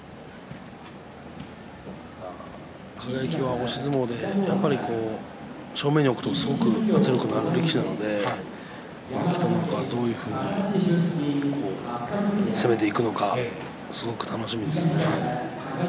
輝は押し相撲で正面に置くと圧力のある力士なので北の若が、どんなふうに攻めていくのかすごく楽しみです。